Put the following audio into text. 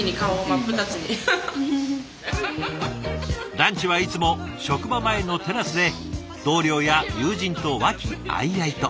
ランチはいつも職場前のテラスで同僚や友人と和気あいあいと。